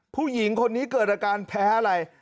ผู้หญิงคนนี้เกิดอาการแพ้อะไร